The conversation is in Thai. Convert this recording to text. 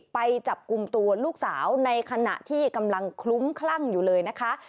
ไปจับกลุ่มตัวลูกสาวในขณะที่กำลังคลุ้มคลั่งอยู่เลยนะคะ